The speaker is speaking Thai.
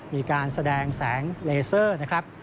มีการแสดงแสงเลเซอร์นะครับ